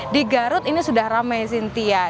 di garut ini sudah ramai sintia